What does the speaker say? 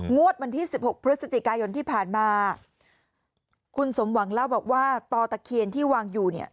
วันที่สิบหกพฤศจิกายนที่ผ่านมาคุณสมหวังเล่าบอกว่าต่อตะเคียนที่วางอยู่เนี่ย